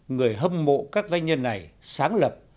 người hâm mộ các doanh nhân này sáng lập